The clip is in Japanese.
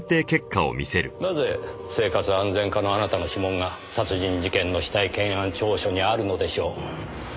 なぜ生活安全課のあなたの指紋が殺人事件の死体検案調書にあるのでしょう。